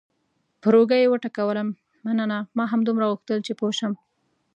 پر اوږه یې وټکولم: مننه، ما همدومره غوښتل چې پوه شم.